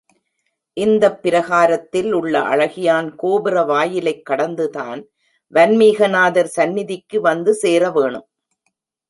இந்தப் பிரகாரத்தில் உள்ள அழகியான் கோபுர வாயிலைக் கடந்துதான் வன்மீகநாதர் சந்நிதிக்கு வந்து சேரவேணும்.